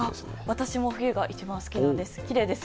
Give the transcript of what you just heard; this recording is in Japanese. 私も冬が一番好きなんです。